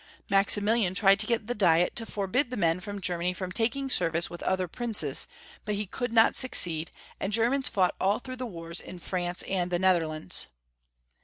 Maximilian tried to get the Diet to forbid the men of Germany from taking service with other princes, but he could not succeed, and Germans fought all through the wars in France and the Netherlands.